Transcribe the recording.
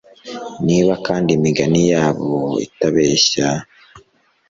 Niba kandi imigani yabo itabeshya